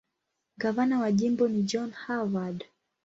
Gavana wa jimbo ni John Harvard.